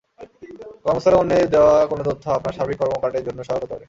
কর্মস্থলে অন্যের দেওয়া কোনো তথ্য আপনার সার্বিক কর্মকাণ্ডের জন্য সহায়ক হতে পারে।